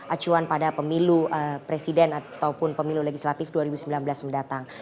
acuan pada pemilu presiden ataupun pemilu legislatif dua ribu sembilan belas mendatang